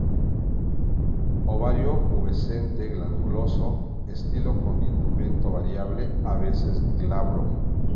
Ovario pubescente-glanduloso; estilo con indumento variable, a veces glabro.